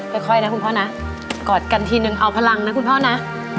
ค่อยนะคุณพ่อนะกอดกันทีนึงเอาพลังนะคุณพ่อนะ